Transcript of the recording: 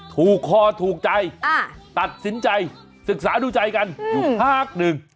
ถูกคอถูกใจตัดสินใจศึกษาดูใจกันอยู่พักหนึ่ง